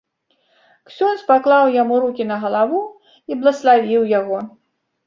Ксёндз паклаў яму рукі на галаву і блаславіў яго.